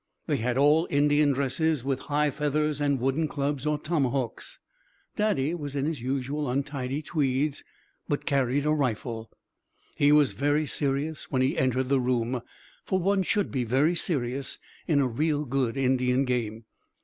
They had all Indian dresses with high feathers and wooden clubs or tomahawks. Daddy was in his usual untidy tweeds, but carried a rifle. He was very serious when he entered the room, for one should be very serious in a real good Indian game.